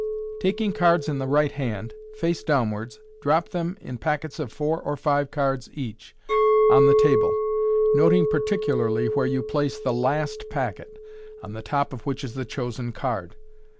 Taking the cards in the right hand, face downwards, drop them, in packets of four or five cards each, on the table, noting particularly where you place the last packet (on the top of which is the chosen card).